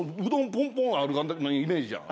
ポンポンあるイメージやん。